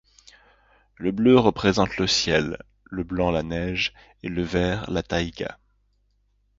Le bleu représente le ciel, le blanc, la neige et le vert, la taïga.